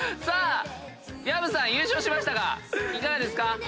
さあ薮さん優勝しましたがいかがですか？